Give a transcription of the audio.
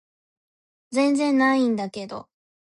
全然ないんだけど